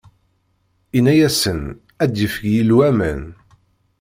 Inna-asen: Ad d-yefk Yillu aman.